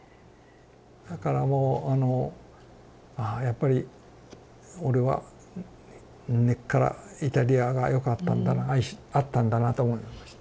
だからもうあの「ああやっぱり俺は根っからイタリアがよかったんだな合ったんだな」と思いました。